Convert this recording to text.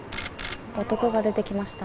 男が出てきました。